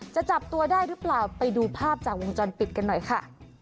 จะจับตัวได้หรือเปล่าไปดูภาพจากวงจรปิดกันหน่อยค่ะ